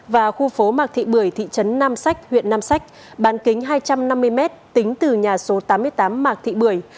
và khu phố mạc thị bưởi thị trấn nam sách huyện nam sách bán kính hai trăm năm mươi m tính từ nhà số tám mươi tám mạc thị bưởi